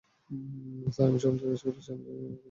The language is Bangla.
স্যার, আমি শপথ করে বলছি, আমি জানি না আপনি কী বুঝাতে চাইছেন।